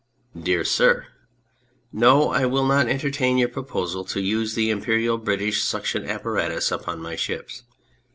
DEAR SIR, No ; I will not entertain your proposal to use the Imperial British Suction Apparatus upon my ships.